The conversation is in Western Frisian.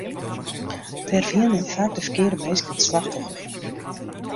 Dêr wienen faak de ferkearde minsken it slachtoffer fan.